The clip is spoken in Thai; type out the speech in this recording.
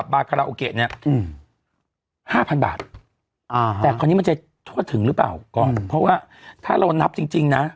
แต่คนนี้มันจะทวดถึงหรือเปล่าก่อนเพราะว่าถ้าเรานับจริงจริงนะ